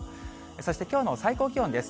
そしてきょうの最高気温です。